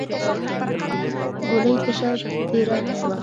ګولۍ تشه تېره شوه.